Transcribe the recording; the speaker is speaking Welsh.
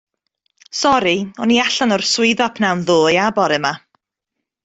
Sori, o'n i allan o'r swyddfa pnawn ddoe a bore 'ma.